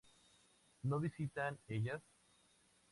¿No visitan ellas?